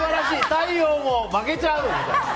太陽も負けちゃう！みたいな。